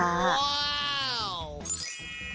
ว้าว